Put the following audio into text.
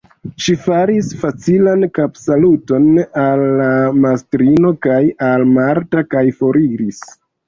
Ŝi faris facilan kapsaluton al la mastrino kaj al Marta kaj foriris.